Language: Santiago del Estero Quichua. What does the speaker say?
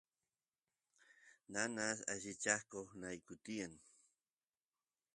nanas allichakoq nayku tiyan